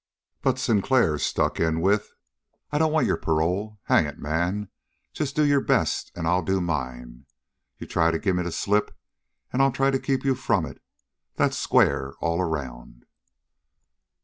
But Sinclair struck in with: "I don't want your parole. Hang it, man, just do your best, and I'll do mine. You try to give me the slip, and I'll try to keep you from it. That's square all around."